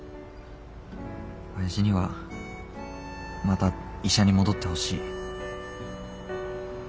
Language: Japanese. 親父にはまた医者に戻ってほしい。